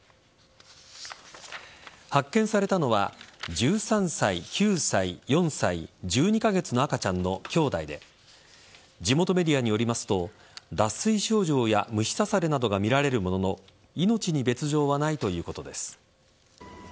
発見されたのは１３歳、９歳、４歳１２カ月の赤ちゃんのきょうだいで地元メディアによりますと脱水症状や虫刺されなどが見られるものの命に別条はないということです。